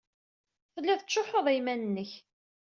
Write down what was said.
Telliḍ tettcuḥḥuḍ i yiman-nnek.